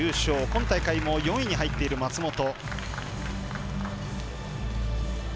今大会も４位に入っている松本。